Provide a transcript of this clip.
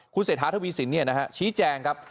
คุณเศรษฐธวิสินเนี่ยนะฮะชี้แจงครับ